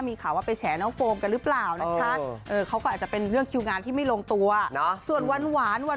มีข่าวว่าไปแฉนอฟโฟมกันหรือเปล่านะคะ